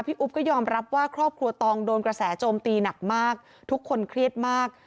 อุ๊บก็ยอมรับว่าครอบครัวตองโดนกระแสโจมตีหนักมากทุกคนเครียดมาก